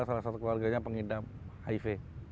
salah satu keluarganya pengidap hiv